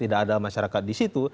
tidak ada masyarakat di situ